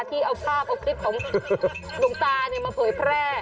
ที่เอาภาพเอาคลิปของหลวงตามาเผยแพร่